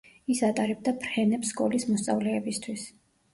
ის ატარებდა ფრენებს სკოლის მოსწავლეებისთვის.